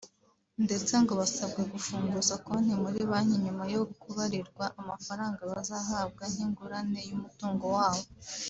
ndetse ngo basabwe gufunguza konti muri banki nyuma yo kubarirwa amafaranga bazahabwa nk’ingurane y’umutungo wabo